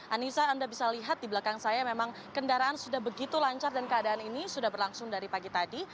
anissa anda bisa lihat di belakang saya memang kendaraan sudah begitu lancar dan keadaan ini sudah berlangsung dari pagi tadi